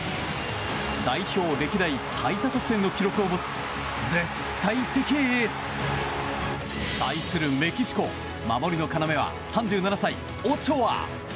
代表歴代最多得点の記録を持つ絶対的エース！対するメキシコ、守りの要は３７歳、オチョア。